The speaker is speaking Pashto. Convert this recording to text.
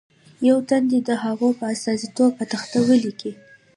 یو تن دې د هغو په استازیتوب په تخته ولیکي.